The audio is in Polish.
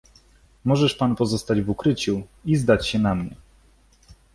"Możesz pan pozostać w ukryciu i zdać się na mnie."